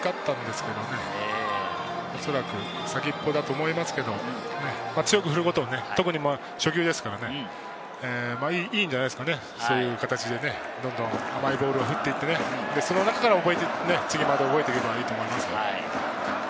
おそらく先っぽだと思いますけど、強く振ることも初球ですから、いいんじゃないですかね、そういう形でどんどん甘いボールを振っていって、その中から覚えていけばいいと思いますよ。